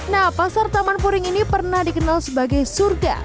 nah pasar taman puring ini pernah dikenal sebagai surga